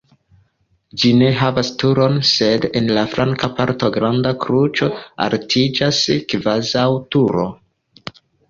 Ĝi ne havas turon, sed en la flanka parto granda kruco altiĝas kvazaŭ turo.